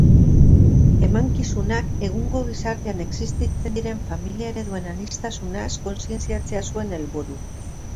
Emankizunak egungo gizartean existitzen diren familia ereduen aniztasunaz kontzientziatzea zuen helburu.